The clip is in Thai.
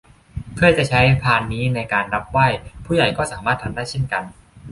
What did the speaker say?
เพื่อจะใช้พานนี้ในการรับไหว้ ผู้ใหญ่ก็สามารถทำได้เช่นกัน